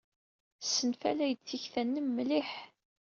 Ssenfalay-d tikta-nnem mliḥ.